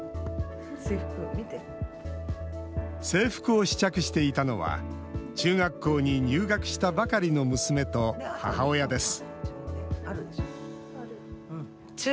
制服を試着していたのは、中学校に入学したばかりの娘と母親です。